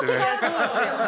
そうですよ。